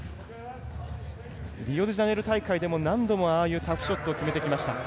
リオデジャネイロ大会でも何度もああいうタフショットを決めてきました。